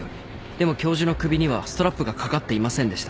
でも教授の首にはストラップが掛かっていませんでした。